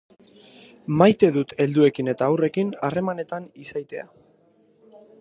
Maite dut helduekin eta haurrekin harremanetan izaitea.